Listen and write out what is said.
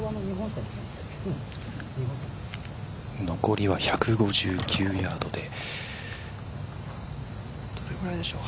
残りは１５９ヤードでどれぐらいでしょう。